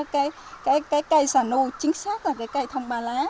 cái cây xả nu chính xác là cái cây thông ba lá